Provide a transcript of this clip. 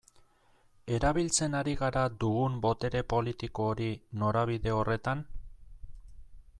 Erabiltzen ari gara dugun botere politiko hori norabide horretan?